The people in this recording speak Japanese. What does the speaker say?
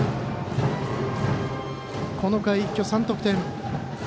この回、一挙３得点。